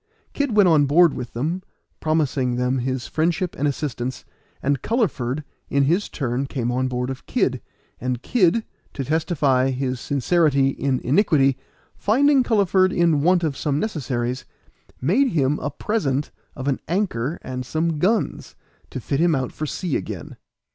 Kid went on board with them, promising them his friendship and assistance, and Culliford in his turn came on board of Kid; and Kid, to testify his sincerity in iniquity, finding Culliford in want of some necessaries, made him a present of an anchor and some guns, to fit him out for the sea again.